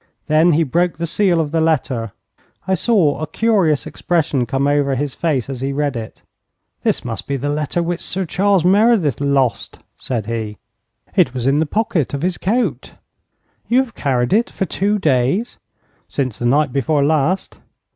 Then he broke the seal of the letter. I saw a curious expression come over his face as he read it. 'This must be the letter which Sir Charles Meredith lost,' said he. 'It was in the pocket of his coat.' 'You have carried it for two days?' 'Since the night before last.'